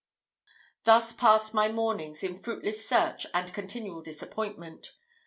Thus passed my mornings, in fruitless search and continual disappointment.